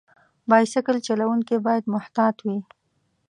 بایسکل چلونکي باید محتاط وي.